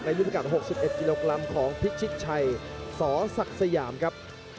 ในยุคการ๖๑อิโลกรัมของพิจิตชัยสอสักสยามครับ